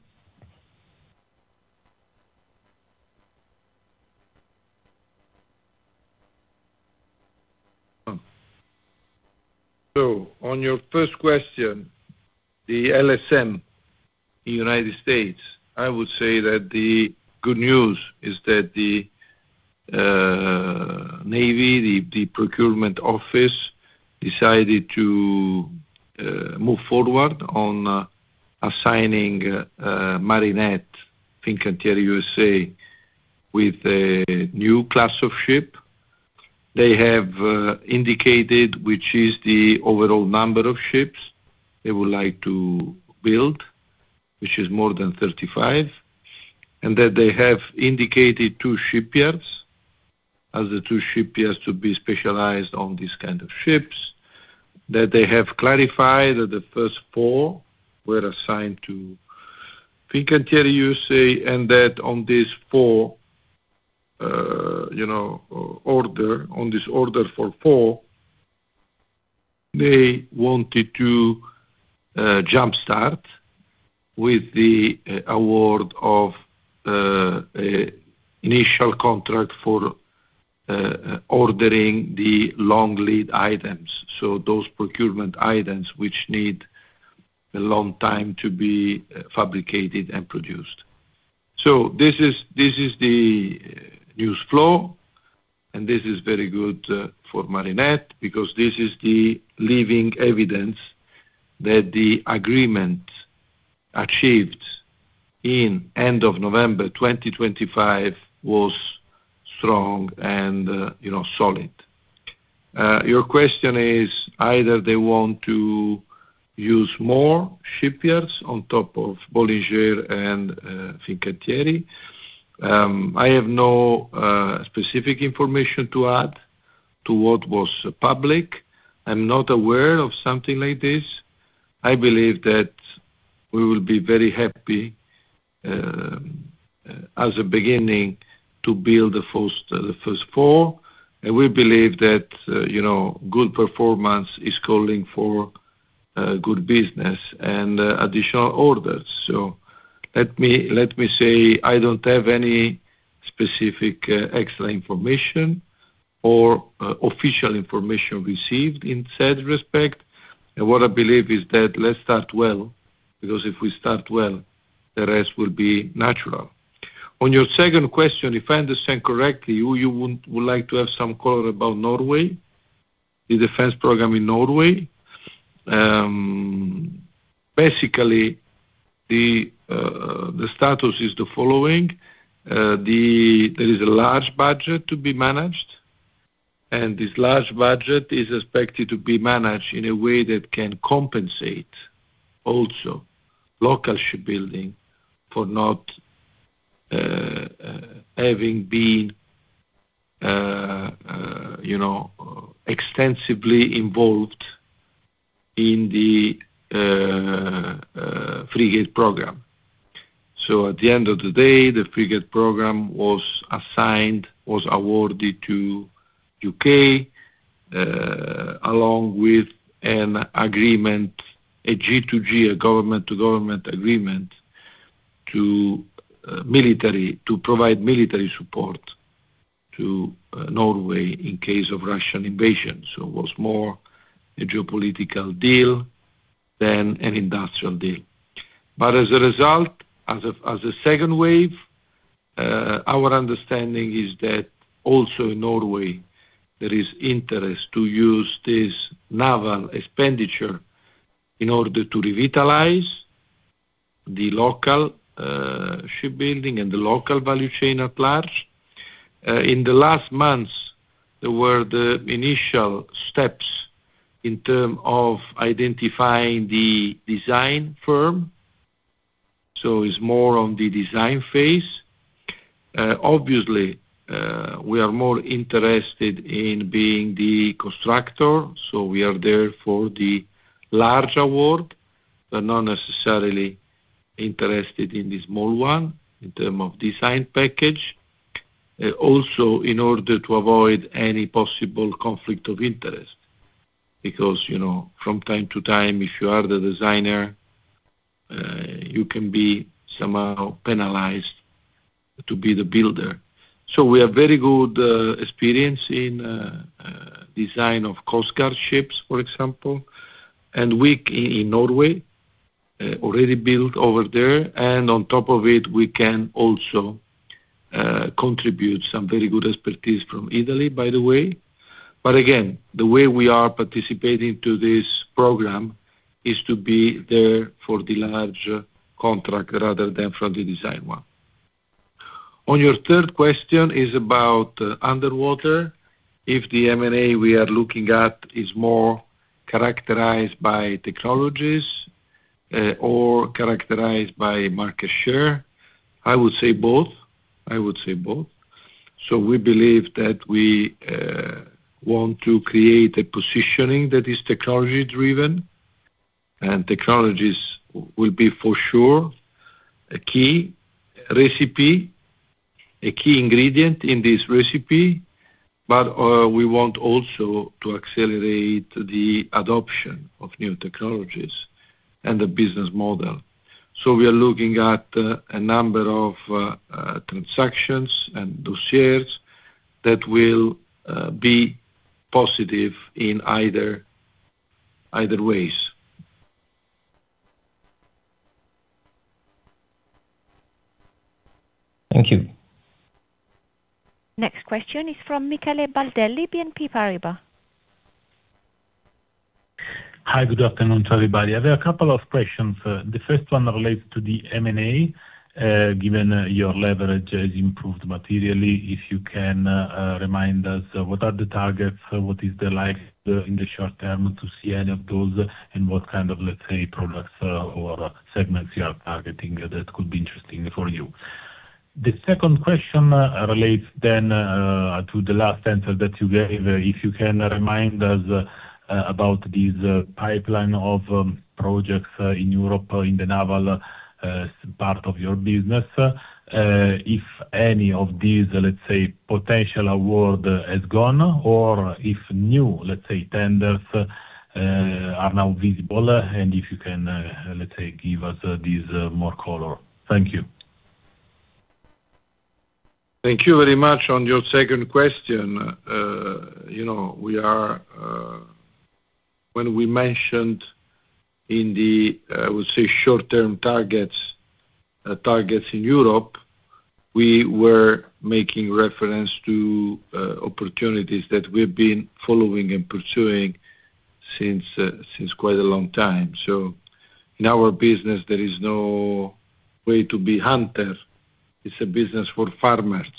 On your first question, the LSM, the U.S., I would say that the good news is that the U.S. Navy, the procurement office decided to move forward on assigning Marinette Fincantieri USA with a new class of ship. They have indicated which is the overall number of ships they would like to build, which is more than 35, and that they have indicated two shipyards as the two shipyards to be specialized on these kind of ships. They have clarified that the first four were assigned to Fincantieri USA and that on these four, you know, order, on this order for four, they wanted to jump-start with the award of an initial contract for ordering the long lead items. Those procurement items which need a long time to be fabricated and produced. This is, this is the news flow, and this is very good for Marinette because this is the living evidence that the agreement achieved in end of November 2025 was strong and, you know, solid. Your question is either they want to use more shipyards on top of Bollinger and Fincantieri. I have no specific information to add to what was public. I'm not aware of something like this. I believe that we will be very happy, as a beginning to build the first, the first four. We believe that, you know, good performance is calling for good business and additional orders. Let me, let me say, I don't have any specific extra information or official information received in said respect. What I believe is that let's start well, because if we start well, the rest will be natural. On your second question, if I understand correctly, you would like to have some color about Norway, the defense program in Norway. Basically, the status is the following. There is a large budget to be managed, and this large budget is expected to be managed in a way that can compensate also local shipbuilding for not having been, you know, extensively involved in the frigate program. At the end of the day, the frigate program was assigned, was awarded to U.K., along with an agreement, a G-to-G, a government to government agreement to provide military support to Norway in case of Russian invasion. It was more a geopolitical deal than an industrial deal. As a result, as a second wave, our understanding is that also in Norway, there is interest to use this naval expenditure in order to revitalize the local shipbuilding and the local value chain at large. In the last months there were the initial steps in terms of identifying the design firm, so it is more on the design phase. Obviously, we are more interested in being the constructor, so we are there for the large award, but not necessarily interested in the small one in terms of design package. Also in order to avoid any possible conflict of interest because, you know, from time to time, if you are the designer, you can be somehow penalized to be the builder. We have very good experience in design of coast guard ships, for example. We in Norway already built over there. On top of it, we can also contribute some very good expertise from Italy, by the way. Again, the way we are participating to this program is to be there for the large contract rather than for the design one. On your third question is about underwater. If the M&A we are looking at is more characterized by technologies or characterized by market share, I would say both. I would say both. We believe that we want to create a positioning that is technology driven. Technologies will be for sure a key recipe, a key ingredient in this recipe. We want also to accelerate the adoption of new technologies and the business model. We are looking at a number of transactions and those shares that will be positive in either ways. Thank you. Next question is from Michele Baldelli, BNP Paribas. Hi, good afternoon to everybody. I have a couple of questions. The first one relates to the M&A. Given your leverage has improved materially, if you can remind us what are the targets, what is the likelihood in the short term to see any of those? What kind of, let's say, products, or segments you are targeting that could be interesting for you? The second question relates to the last answer that you gave. If you can remind us about this pipeline of projects in Europe or in the naval part of your business. If any of these, let's say, potential award has gone or if new, let's say, tenders are now visible. If you can, let's say, give us this more color. Thank you. Thank you very much. On your second question, you know, we are When we mentioned in the, I would say, short-term targets in Europe, we were making reference to opportunities that we've been following and pursuing since quite a long time. In our business, there is no way to be hunter. It's a business for farmers,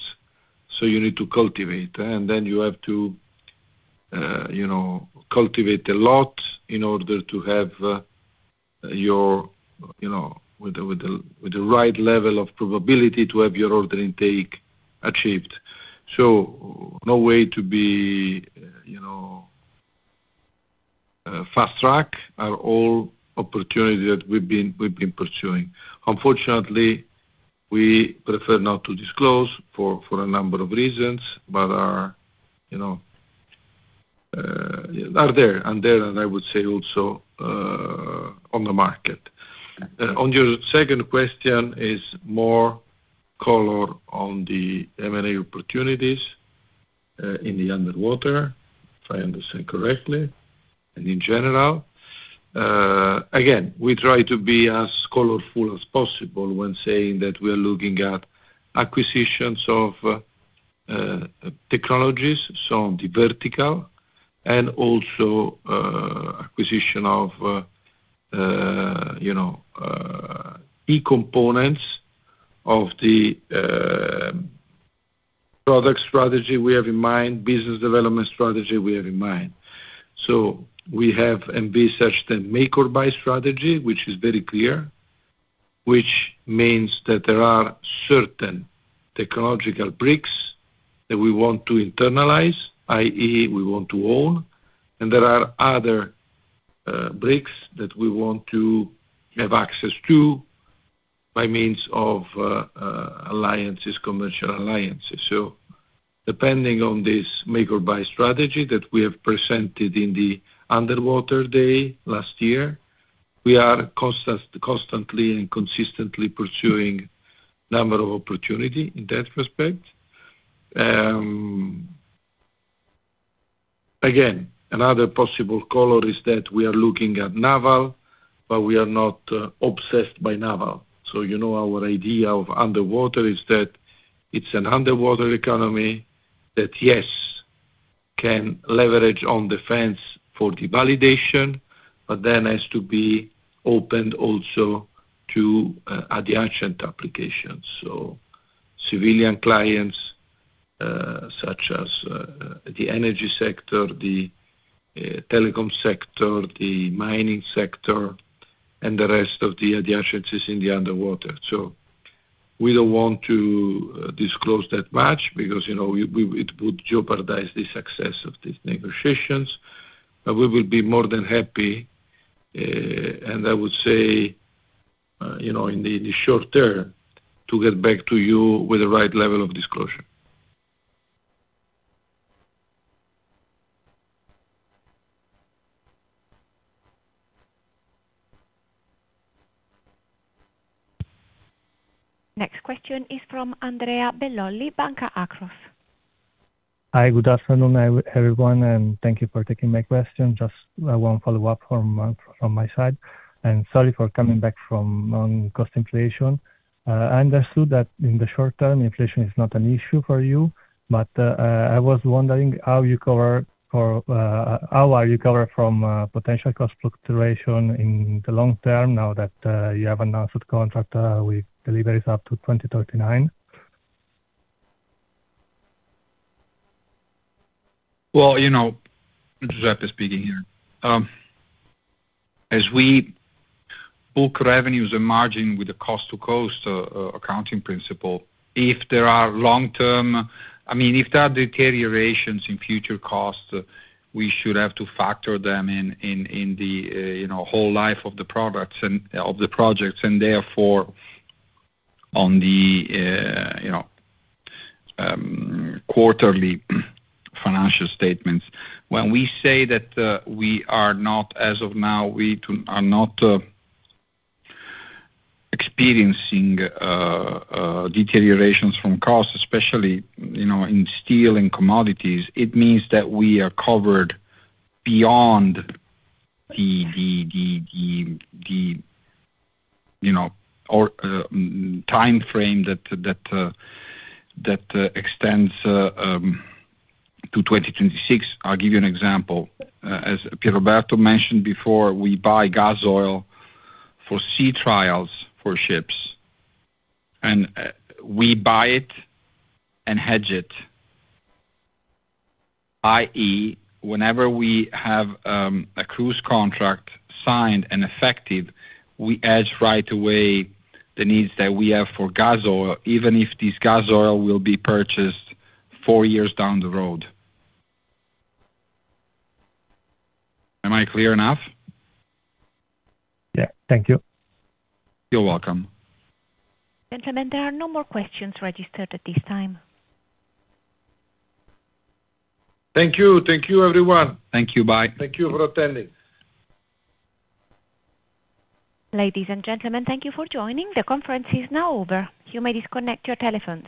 you need to cultivate. You have to, you know, cultivate a lot in order to have your, you know, with the right level of probability to have your order intake achieved. No way to be, you know, fast track are all opportunity that we've been pursuing. Unfortunately, we prefer not to disclose for a number of reasons. You know, are there, and I would say also, on the market. On your second question is more color on the M&A opportunities, in the underwater, if I understand correctly, and in general. Again, we try to be as colorful as possible when saying that we are looking at acquisitions of technologies, so on the vertical. Also, acquisition of, you know, key components of the product strategy we have in mind, business development strategy we have in mind. We have MB such that make or buy strategy, which is very clear. Which means that there are certain technological bricks that we want to internalize, i.e., we want to own. There are other bricks that we want to have access to by means of alliances, commercial alliances. Depending on this make or buy strategy that we have presented in the Underwater Day last year, we are constantly and consistently pursuing number of opportunity in that respect. Again, another possible color is that we are looking at naval, but we are not obsessed by naval. You know our idea of underwater is that it's an underwater economy. Can leverage on defense for the validation, but then has to be opened also to adjacent applications. Civilian clients, such as the energy sector, the telecom sector, the mining sector, and the rest of the adjacencies in the underwater. We don't want to disclose that much because, you know, it would jeopardize the success of these negotiations. We will be more than happy, and I would say, you know, in the short term to get back to you with the right level of disclosure. Next question is from Andrea Belloli, Banca Akros. Good afternoon, everyone, thank you for taking my question. Just one follow-up from my side, sorry for coming back from cost inflation. I understood that in the short term, inflation is not an issue for you, but I was wondering how you cover for, how are you covered from potential cost fluctuation in the long term now that you have announced the contract with deliveries up to 2039? Well, you know, Giuseppe speaking here. As we book revenues and margin with the cost-to-cost accounting principle, if there are long-term, I mean, if there are deteriorations in future costs, we should have to factor them in the, you know, whole life of the products and of the projects. Therefore, on the, you know, quarterly financial statements. When we say that we are not as of now, we are not experiencing deteriorations from costs, especially, you know, in steel and commodities, it means that we are covered beyond the, you know, timeframe that extends to 2026. I'll give you an example. As Pierroberto mentioned before, we buy gas oil for sea trials for ships, and we buy it and hedge it. I.e., whenever we have a cruise contract signed and effective, we hedge right away the needs that we have for gas oil, even if this gas oil will be purchased four years down the road. Am I clear enough? Yeah. Thank you. You're welcome. Gentlemen, there are no more questions registered at this time. Thank you. Thank you, everyone. Thank you. Bye. Thank you for attending. Ladies and gentlemen, thank you for joining. The conference is now over. You may disconnect your telephones.